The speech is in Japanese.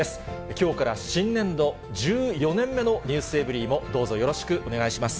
きょうから新年度、１４年目のｎｅｗｓｅｖｅｒｙ．もどうぞよろしくお願いします。